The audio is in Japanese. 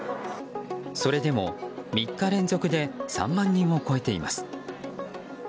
それでも３日連続で３万人を超えています。